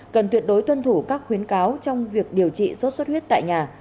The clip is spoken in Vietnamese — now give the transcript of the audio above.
cần tuyệt đối tuân thủ các khuyến cáo trong việc điều trị sốt xuất huyết tại nhà